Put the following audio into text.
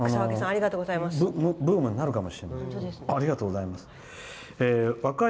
ブームになるかもしれない。